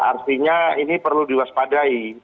artinya ini perlu diwaspadai